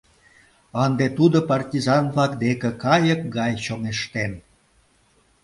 Ынде тудо партизан-влак деке кайык гай чоҥештен.